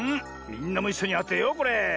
みんなもいっしょにあてようこれ。